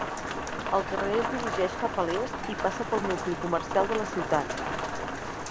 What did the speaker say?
El carrer es dirigeix cap a l"est i passa pel nucli comercial de la ciutat.